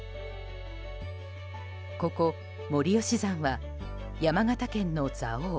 ここ、森吉山は山形県の蔵王